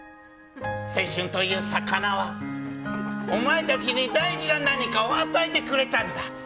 青春という魚はお前たちに大事な何かを与えてくれたんだ。